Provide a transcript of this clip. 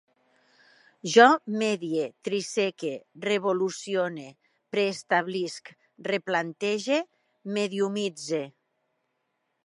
Jo medie, triseque, revolucione, preestablisc, replantege, mediumitze